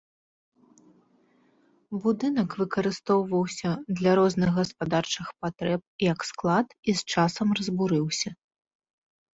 Будынак выкарыстоўваўся для розных гаспадарчых патрэб, як склад і з часам разбурыўся.